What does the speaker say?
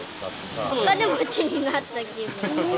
お金持ちになった気分。